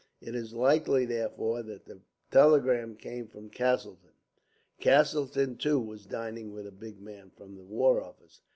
It is likely, therefore, that the telegram came from Castleton. Castleton, too, was dining with a big man from the War Office.